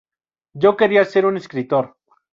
Yo quería ser un escritor.